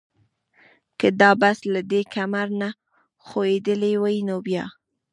که دا بس له دې کمر نه ښویېدلی وای نو بیا؟